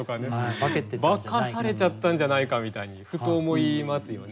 化かされちゃったんじゃないかみたいにふと思いますよね。